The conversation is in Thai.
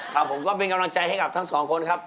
ครับผมก็เป็นกำลังใจให้กับทั้งสองคนครับ